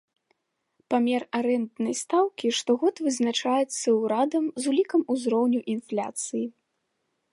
Памер арэнднай стаўкі штогод вызначаецца ўрадам з улікам узроўню інфляцыі.